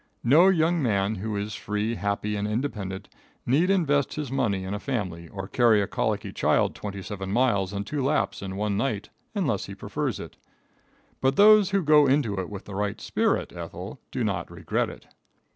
No young man who is free, happy and independent, need invest his money in a family or carry a colicky child twenty seven miles and two laps in one night unless he prefers it. But those who go into it with the right spirit, Ethel, do not regret it.